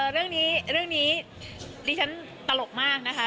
เรื่องนี้ดิฉันตลกมากนะคะ